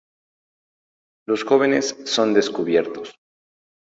Los jóvenes son descubiertos.